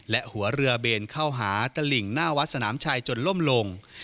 และหัวเรือเบนเข้าหาตลิ่งหน้าวัดสนามชัยจนล่มลง